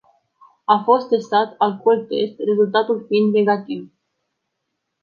A fost testat alcooltest, rezultatul fiind negativ.